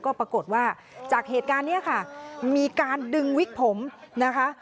ก็ปรากฏว่าจากเหตุการณ์นี้ค่ะมีการดึงวิกผมนะคะ